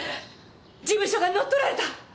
事務所が乗っ取られた。